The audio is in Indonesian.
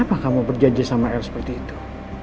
kenapa kamu berjanji sama r seperti itu